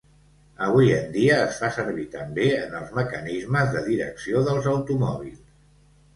Avui en dia es fa servir també en els mecanismes de direcció dels automòbils.